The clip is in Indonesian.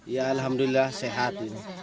ya alhamdulillah sehat